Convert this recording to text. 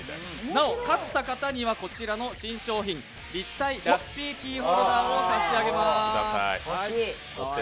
なお、買った方にはこちらの新商品立体ラッピーキーホルダーを差し上げます！